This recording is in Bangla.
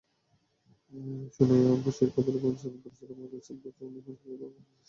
সোনিয়া বশির কবিরব্যবস্থাপনা পরিচালক, মাইক্রোসফট বাংলাদেশমাইক্রোসফট বাংলাদেশের শীর্ষ পদে আছেন সোনিয়া বশির কবির।